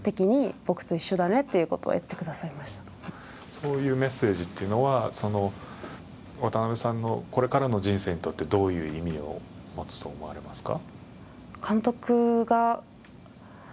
そういうメッセージというのは、渡邉さんのこれからの人生にとってどういう意味を持つと思われますか？